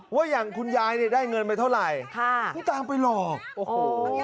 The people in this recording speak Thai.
ว่าอย่างคุณยายเนี่ยได้เงินไปเท่าไหร่ค่ะที่ตามไปหลอกโอ้โห